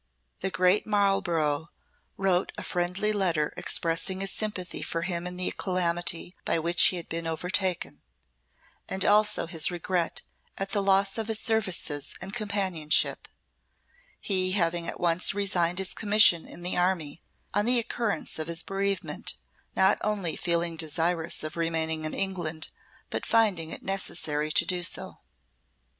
The great Marlborough wrote a friendly letter expressing his sympathy for him in the calamity by which he had been overtaken, and also his regret at the loss of his services and companionship, he having at once resigned his commission in the army on the occurrence of his bereavement, not only feeling desirous of remaining in England, but finding it necessary to do so.